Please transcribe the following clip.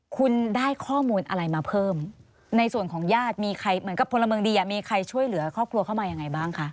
คุณได้ข้อมูลอะไรมาเพิ่มในส่วนของญาติมีใครช่วยเหลือเข้ามายังไงบ้างคะ